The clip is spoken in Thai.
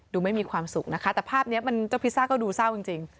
ไม่มีความสุขนะคะแต่ภาพนี้มันเจ้าพิซซ่าก็ดูเศร้าจริง